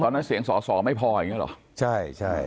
ตอนนั้นเสียงส่อไม่พออย่างนี้หรอ